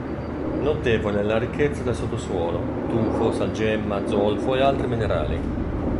Notevole è la ricchezza del sottosuolo: tufo, salgemma, zolfo e altri minerali.